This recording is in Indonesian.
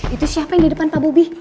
itu siapa yang di depan pak bobi